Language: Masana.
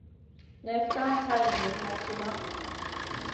Neslna ka hay niyn ma tìna.